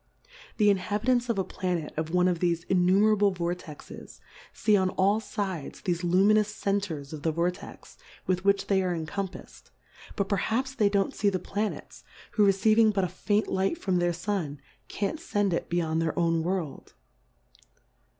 The Inhabitants of a Planet of one of thefe innumerable Vortexes, fee on all fides thefe luminous Centers of the Vortex, with which they are encompafs'd ; but perhaps they don't fee the Planets, who receiving but a faint Light from their Sun, can't fend it beyond their own World.